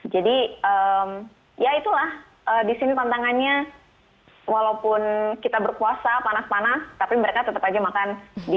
jadi ya itulah di sini tantangannya walaupun kita berpuasa panas panas tapi mereka tetap aja makan